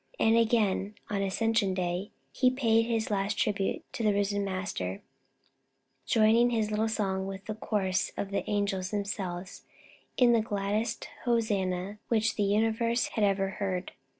And again on Ascension Day he paid his last tribute to the risen Master, joining his little song with the chorus of the angels themselves in the gladdest Hosanna which the universe had ever heard.